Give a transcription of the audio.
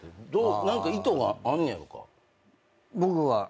何か意図があんねやろか？